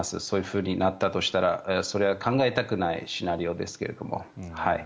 そういうふうになったとしたらそれは考えたくないシナリオですけども。